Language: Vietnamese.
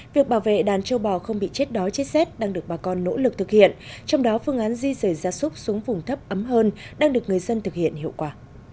việc bảo vệ đàn trâu bò không bị chết đói chết rét đang được bà con nỗ lực thực hiện trong đó phương án di rời ra súc xuống vùng thấp ấm hơn đang được người dân thực hiện hiệu quả